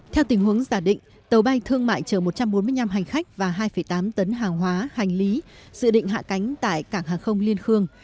theo tình huống giả định tàu bay thương mại chở một trăm bốn mươi năm hành khách và hai tám tấn hàng hóa hành lý dự định hạ cánh tại cảng hàng không liên khương